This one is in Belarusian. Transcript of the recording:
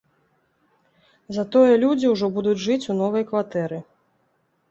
Затое людзі ўжо будуць жыць у новай кватэры.